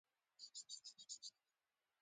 په درې څلوېښت کال کې کلاډیوس برېټانیا ونیوله.